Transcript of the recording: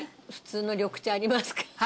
普通の緑茶ありますか？